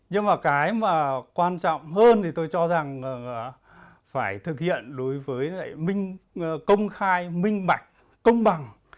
nhưng mà cái mà quan trọng hơn thì tôi cho rằng phải thực hiện đối với lại công khai minh bạch công bằng